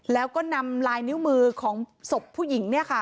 แล้วก็นำลายนิ้วมือของศพผู้หญิง